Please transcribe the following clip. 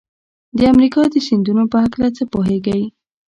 د امریکا د سیندونو په هلکه څه پوهیږئ؟